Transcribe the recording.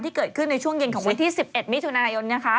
เกิดขึ้นในช่วงเย็นของวันที่๑๑มิถุนายน